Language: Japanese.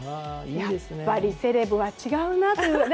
やっぱりセレブは違うなというね。